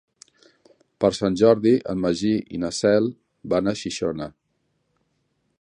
Per Sant Jordi en Magí i na Cel van a Xixona.